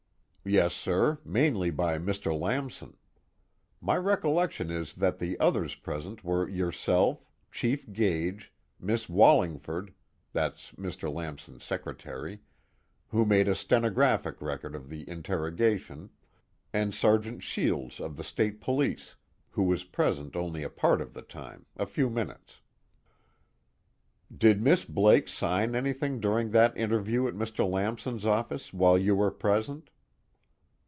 "Yes, sir, mainly by Mr. Lamson. My recollection is that the others present were yourself, Chief Gage, Miss Wallingford that's Mr. Lamson's secretary who made a stenographic record of the interrogation, and Sergeant Shields of the State Police, who was present only a part of the time, a few minutes." "Did Miss Blake sign anything during that interview at Mr. Lamson's office, while you were present?"